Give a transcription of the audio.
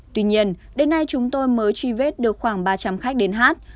tuy nhiên đến nay chúng tôi mới truy vết được khoảng ba trăm linh khách đến hát